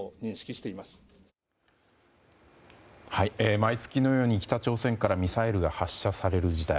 毎月のように北朝鮮からミサイルが発射される事態。